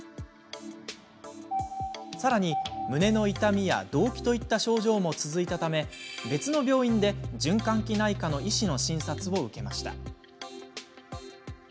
さらに、胸の痛みや動悸といった症状も続いたため別の病院で循環器内科の医師の診察を受けました。